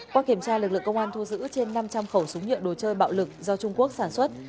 qua kiểm tra lực lượng công an thu giữ trên năm trăm linh khẩu súng nhựa đồ chơi bạo lực do trung quốc sản xuất